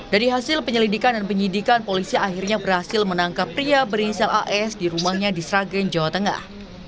dari hasil penyelidikan dan penyidikan polisi akhirnya berhasil menangkap pria berinisial as di rumahnya di sragen jawa tengah